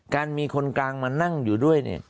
การมีคนกลางมานั่งอยู่ด้วยเนี่ย